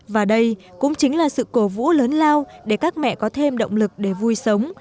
và đây cũng chính là sự cổ vũ lớn lao để các mẹ có thêm động lực để vui sống